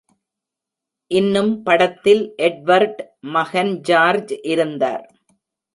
இன்னும் படத்தில் எட்வர்ட் மகன் ஜார்ஜ் இருந்தார்.